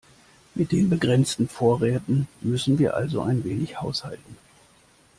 Mit den begrenzten Vorräten müssen wir also ein wenig haushalten.